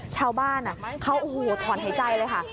ชาวบ้านเขาถอนหายใจเลยค่ะ